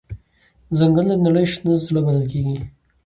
ځنګلونه د نړۍ شنه زړه بلل کېږي.